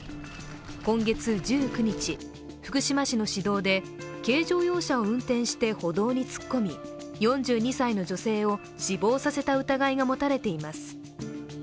今月１９日、福島市の市道で軽乗用車を運転して歩道に突っ込み４２歳の女性を死亡させた疑いが持たれています。